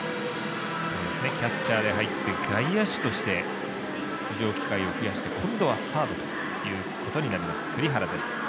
キャッチャーで入って外野手として出場機会を増やして今度はサードということになります栗原です。